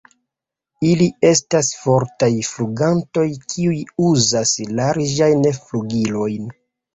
Ili estas fortaj flugantoj kiuj uzas larĝajn flugilojn.